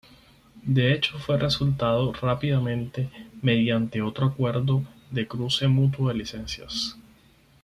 De hecho fue resuelto rápidamente mediante otro acuerdo de cruce mutuo de licencias.